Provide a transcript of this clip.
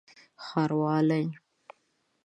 ښاروالي